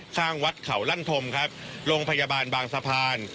ข้างวัดเขาลั่นธมครับโรงพยาบาลบางสะพาน